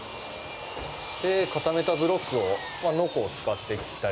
固めたブロックをノコを使って切ったり。